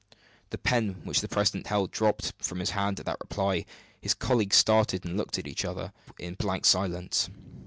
The pen which the president held dropped from his hand at that reply; his colleagues started, and looked at each other in blank silence.